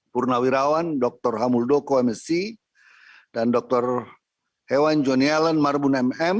pernah wirawan dr hamuldo komc dan dr hewan joni allen marbun mm